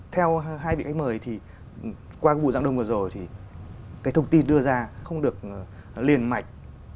theo hai vị khách mời thì qua vụ giảng đông vừa rồi thì cái thông tin đưa ra không được liền mạch